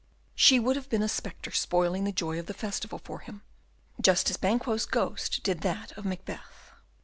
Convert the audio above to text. She would have been a spectre spoiling the joy of the festival for him, just as Banquo's ghost did that of Macbeth.